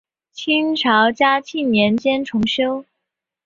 清朝嘉庆年间重修。